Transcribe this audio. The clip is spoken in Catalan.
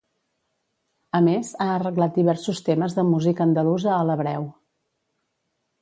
A més ha arreglat diversos temes de música andalusa a l'hebreu.